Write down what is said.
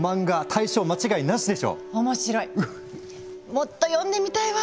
もっと読んでみたいわ！